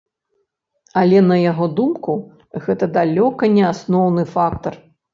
Але на яго думку, гэта далёка не асноўны фактар.